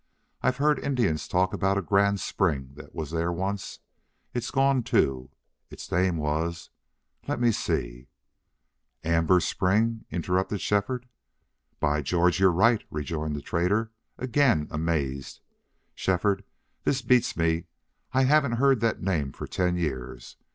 I've heard Indians talk about a grand spring that was there once. It's gone, too. Its name was let me see " "Amber Spring," interrupted Shefford. "By George, you're right!" rejoined the trader, again amazed. "Shefford, this beats me. I haven't heard that name for ten years.